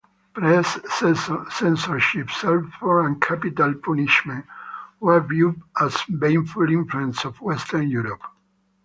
Press censorship, serfdom and capital punishment were viewed as baneful influences of Western Europe.